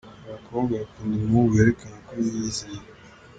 Abakobwa bakunda umuhungu werekana ko yiyizeye.